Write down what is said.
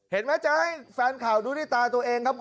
เห็นมั้ยเจ้าให้แฟนข่าวดูในตาตัวเองครับ